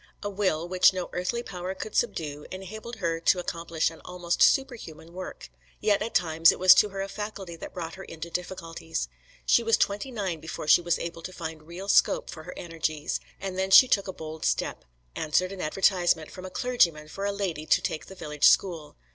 A will, which no earthly power could subdue, enabled her to accomplish an almost superhuman work; yet at times it was to her a faculty that brought her into difficulties. She was twenty nine before she was able to find real scope for her energies, and then she took a bold step answered an advertisement from a clergyman for a lady to take the village school.